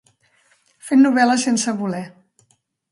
Fent novel·la sense voler.